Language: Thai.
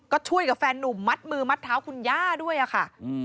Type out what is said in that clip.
ก็ช่วยกับแฟนนุ่มมัดมือมัดเท้าคุณย่าด้วยอะค่ะ